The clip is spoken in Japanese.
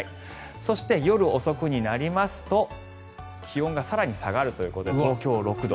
そして、夜遅くになりますと気温が更に下がるということで東京、６度。